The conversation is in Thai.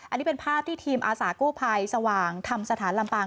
อันนี้เป็นภาพที่ทีมอาสากู้ภัยสว่างธรรมสถานลำปาง